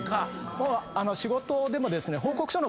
もう仕事でもですね。